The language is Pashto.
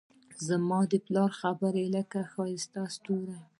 زما د پلار خبرې لکه ښایست دستورو